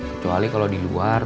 kecuali kalau di luar